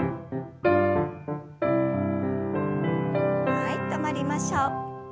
はい止まりましょう。